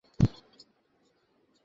ও যে কোনও সময় শ্বাসকষ্টে ভুগতে পারে!